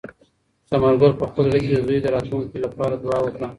ثمر ګل په خپل زړه کې د زوی د راتلونکي لپاره دعا وکړه.